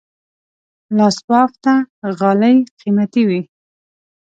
لاس بافته غالۍ قیمتي وي.